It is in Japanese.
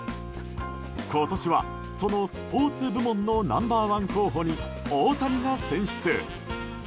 今年は、そのスポーツ部門のナンバー１候補に大谷が選出！